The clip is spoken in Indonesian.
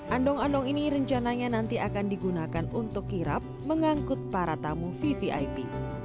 andong andong ini rencananya nanti akan digunakan untuk kirap mengangkut para tamu vvip